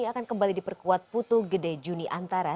akan kembali diperkuat putu gede juni antara